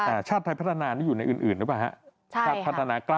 อาจารย์ใจดีเหมือนกันนะคะ